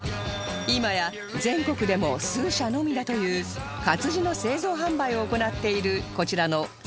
今や全国でも数社のみだという活字の製造・販売を行っているこちらの佐々木活字店